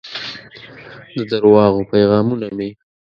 د درواغو پیغامونه مې